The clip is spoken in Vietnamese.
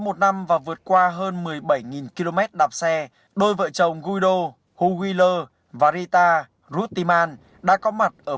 một năm và vượt qua hơn một mươi bảy km đạp xe đôi vợ chồng guido huwiler varita rutiman đã có mặt ở